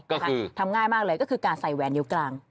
ทำง่ายมากเลยก็คือการใส่แหวนนิ้วกลาง